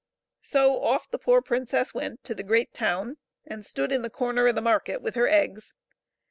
So off the poor princess went to the great town, and stood in the comer of the market with her eggs.